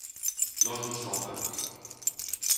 Nós nos salvamos!